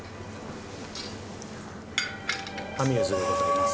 アミューズでございます。